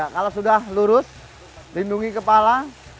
kalau sudah lurus lindungi kepala